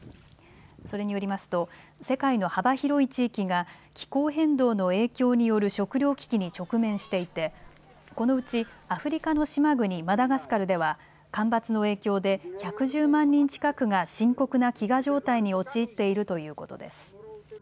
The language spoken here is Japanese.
それによりますと世界の幅広い地域が気候変動の影響による食料危機に直面していてこのうちアフリカの島国、マダガスカルでは干ばつの影響で１１０万人近くが深刻な飢餓状態に陥っているということです。